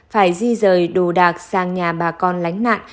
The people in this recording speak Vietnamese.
phải di rời đồ đạc sang nhà bà con lánh nạn